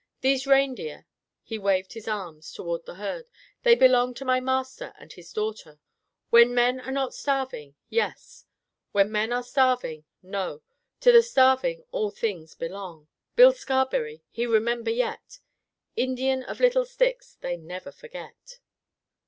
These reindeer," he waved his arms toward the herd, "they belong to my master and his daughter. When men are not starving—yes. When men are starving—no. To the starving all things belong. Bill Scarberry, he remember yet. Indians of Little Sticks, they never forget."